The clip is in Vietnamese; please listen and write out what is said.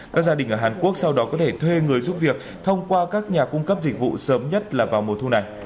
các gia đình ở hàn quốc sau đó có thể thuê người giúp việc thông qua các nhà cung cấp dịch vụ sớm nhất là vào mùa thu này